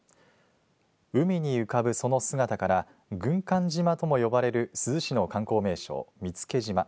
海に浮かぶその姿から軍艦島とも呼ばれる珠洲市の観光名所、見附島。